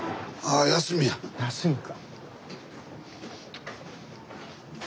休みか。